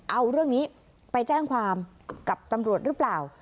เอาเรื่องนี้ไปแจ้งความกับตำรวจหรือเปล่า